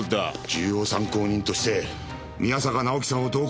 重要参考人として宮坂直樹さんを同行します。